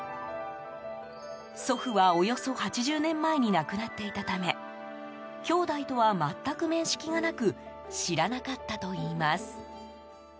祖父は、およそ８０年前に亡くなっていたため兄妹とは全く面識がなく知らなかったといいます。